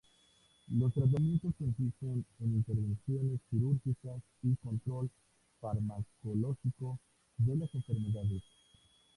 Los tratamientos consisten en intervenciones quirúrgicas y control farmacológico de las enfermedades.